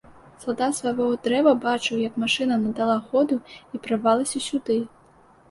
Салдат з свайго дрэва бачыў, як машына наддала ходу і прарвалася сюды.